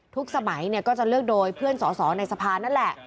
สมัยก็จะเลือกโดยเพื่อนสอสอในสภานั่นแหละ